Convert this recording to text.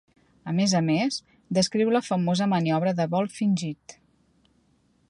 A més a més, descriu la famosa maniobra de "vol fingit".